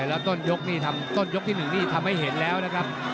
แล้วต้นยกนี่ทำต้นยกที่๑นี่ทำให้เห็นแล้วนะครับ